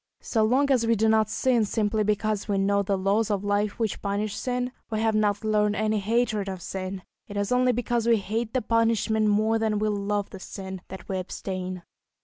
So long as we do not sin simply because we know the laws of life which punish sin, we have not learned any hatred of sin; it is only because we hate the punishment more than we love the sin, that we abstain.